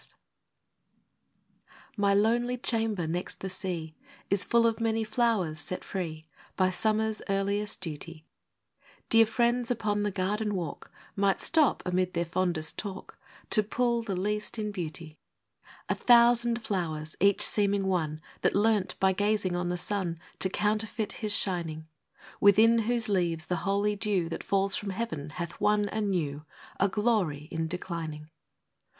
1\/[Y lonely chamber next the sea, Is full of many flowers set free By summer's earliest duty; Dear friends upon the garden walk Might stop amid their fondest talk, To pull the least in beauty. 42 FROM QUEENS' GARDENS. A thousand flowers — each seeming one That learnt, by gazing on the sun. To counterfeit his shining — Within whose leaves the holy dew That falls from heaven, hath won anew A glory — in declining.